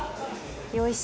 よし。